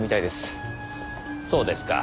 そうですか。